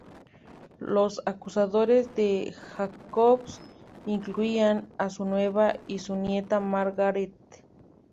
Los acusadores de Jacobs incluían a su nuera y su nieta, Margaret.